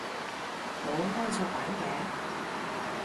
冇安卓版嘅？